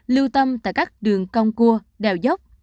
lưu thông tại các đường cong cua đèo dốc